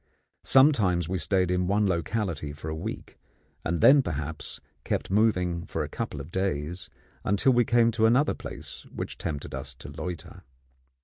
Sometimes we stayed in one locality for a week, and then perhaps kept moving for a couple of days, until we came to another place which tempted us to loiter.